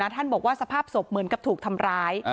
ท่านบอกว่าสภาพศพเหมือนกับถูกทำร้าย